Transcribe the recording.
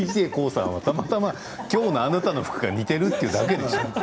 ＤＪＫＯＯさんはたまたまきょうのあなたの服が似ているというだけでしょ？